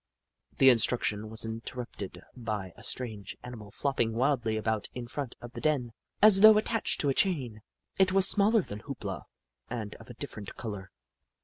The instruction was interrupted by a strange animal flopping wildly about in front of the den, as though attached to a chain. It was smaller than Hoop La and of a different colour.